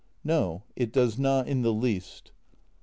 " No; it does not in the least."